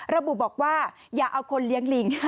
ระบุบอกว่าอย่าเอาคนเลี้ยงลิง